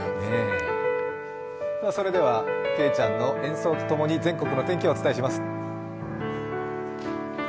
それでは、けいちゃんの演奏とともに全国の天気、お伝えします。